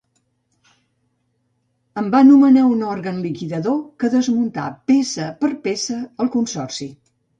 En va nomenar un òrgan liquidador, que desmuntà peça per peça el consorci.